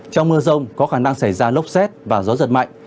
trong mưa rông có khả năng xảy ra lốc xét và gió giật mạnh